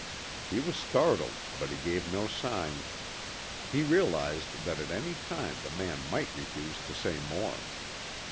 He was startled, but he gave no sign. He realized that at any time the man might refuse to say more.